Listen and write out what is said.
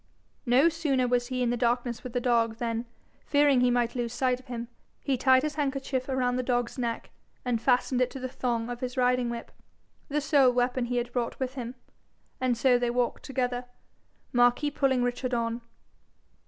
No sooner was he in the darkness with the dog, than, fearing he might lose sight of him, he tied his handkerchief round the dog's neck, and fastened to it the thong of his riding whip the sole weapon he had brought with him and so they walked together, Marquis pulling Richard on.